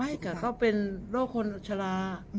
ไม่ว่าเขาเป็นโรคคนอัโฉรา